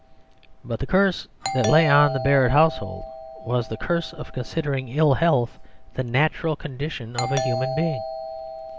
But the curse that lay on the Barrett household was the curse of considering ill health the natural condition of a human being.